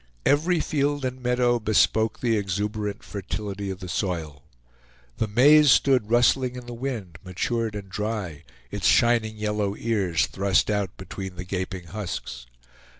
Every field and meadow bespoke the exuberant fertility of the soil. The maize stood rustling in the wind, matured and dry, its shining yellow ears thrust out between the gaping husks.